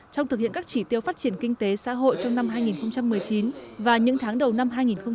trong thực hiện các chỉ tiêu phát triển kinh tế xã hội trong năm hai nghìn một mươi chín và những tháng đầu năm hai nghìn hai mươi